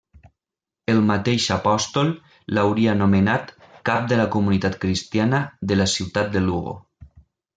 El mateix apòstol l'hauria nomenat cap de la comunitat cristiana de la ciutat de Lugo.